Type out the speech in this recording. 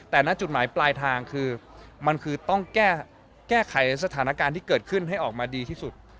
แต่ณจุดหมายปลายทางคือมันคือต้องแก้ไขสถานการณ์ที่เกิดขึ้นให้ออกมาดีที่สุด